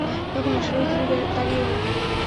তখন অশ্বারোহী দূরে দাঁড়িয়ে গেল।